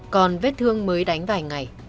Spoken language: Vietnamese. mới đánh vài ngày